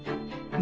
何？